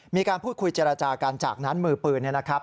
มีการพูดคุยเจรจากันจากนั้นมือปืนเนี่ยนะครับ